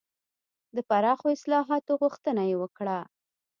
د پراخو اصلاحاتو غوښتنه یې وکړه.